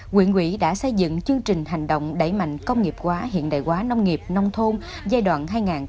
quyện đã xây dựng chương trình hành động đẩy mạnh công nghiệp hóa hiện đại hóa nông nghiệp nông thôn giai đoạn hai nghìn một hai nghìn một mươi